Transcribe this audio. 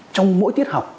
trong mỗi tiết học